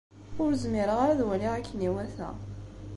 Ur zmireɣ ara ad waliɣ akken iwata.